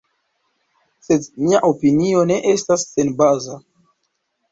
Sed mia opinio ne estas senbaza.